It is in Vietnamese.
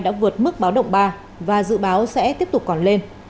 đã vượt mức báo động ba và dự báo sẽ tiếp tục còn lên